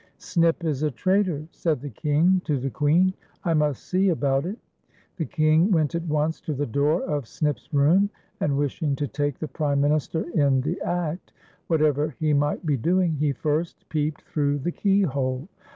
" Snip is a traitor," said the King to the Queen, " I must see about it." The King went at once to the door of Snip's room, and wishing to take the prime minister in the act, whatever he might be doing, he first peeped through the keyhole.